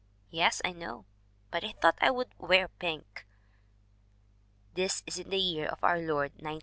" 'Yes, I know, but I thought I would wear pink/ ' This in the year of our Lord 1914!